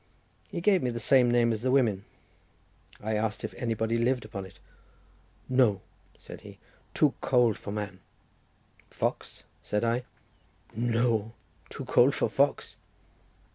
He gave me the same name as the women. I asked if anybody lived upon it. "No," said he, "too cold for man." "Fox?" said I. "No! too cold for fox."